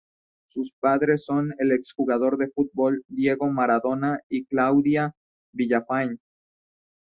Sus padres son el ex jugador de fútbol Diego Maradona y Claudia Villafañe.